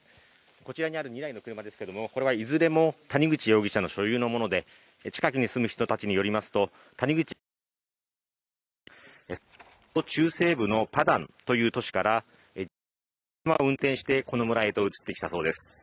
こちらにある２台の車ですけども、これはいずれも谷口容疑者の所有のもので近くに住む人たちによりますと谷口容疑者は、中西部のパダンという都市からこの村へと移ってきたそうです。